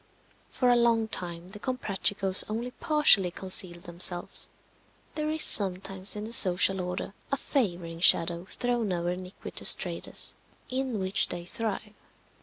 For a long time the Comprachicos only partially concealed themselves. There is sometimes in the social order a favouring shadow thrown over iniquitous trades, in which they thrive.